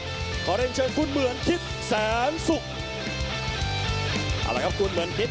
มาพร้อมกับเข็มขัด๔๙กิโลกรัมซึ่งตอนนี้เป็นของวัดสินชัยครับ